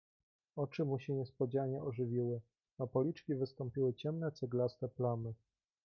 "Oczy mu się niespodzianie ożywiły, na policzki wystąpiły ciemne, ceglaste plamy."